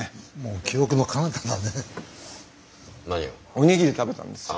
お握り食べたんですよ。